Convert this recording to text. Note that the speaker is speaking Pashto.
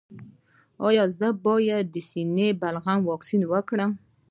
ایا زه باید د سینه بغل واکسین وکړم؟